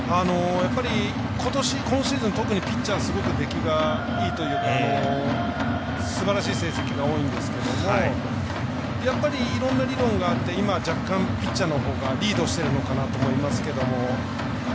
今シーズン、特にピッチャーすごく出来がいいというかすばらしい成績が多いんですけどいろんな理論があって若干ピッチャーのほうがリードしてるかなと思いますけども。